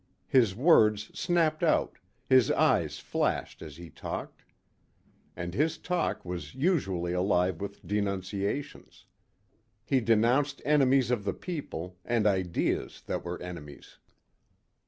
His words snapped out, his eyes flashed as he talked. And his talk was usually alive with denunciations. He denounced enemies of the people and ideas that were enemies.